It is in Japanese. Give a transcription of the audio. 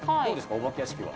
お化け屋敷は。